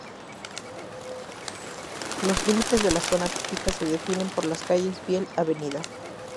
Los límites de la Zona Típica se definen por las calles Viel, Av.